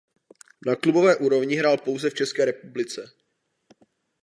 Na klubové úrovni hrál pouze v České republice.